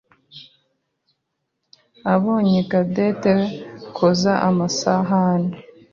yabonye Cadette koza amasahani.